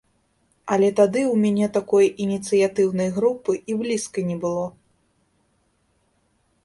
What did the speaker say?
Але тады ў мяне такой ініцыятыўнай групы і блізка не было.